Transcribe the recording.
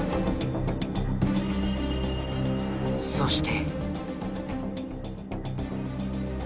そして。